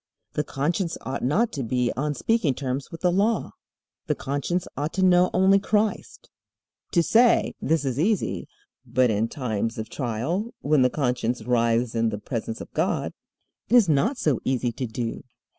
The conscience ought not to be on speaking terms with the Law. The conscience ought to know only Christ. To say this is easy, but in times of trial, when the conscience writhes in the presence of God, it is not so easy to do.